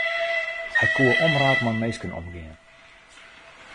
Hy koe omraak mei minsken omgean.